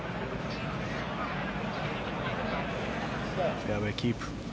フェアウェーキープ。